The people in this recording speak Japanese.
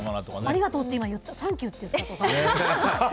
ありがとうって言ったサンキューって言ったとかさ。